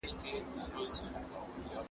زه به سبا سبزېجات وچوم وم!!